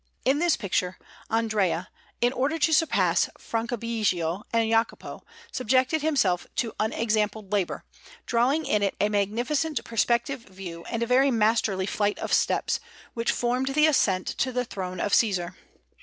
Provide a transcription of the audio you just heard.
In this picture Andrea, in order to surpass Franciabigio and Jacopo, subjected himself to unexampled labour, drawing in it a magnificent perspective view and a very masterly flight of steps, which formed the ascent to the throne of Cæsar.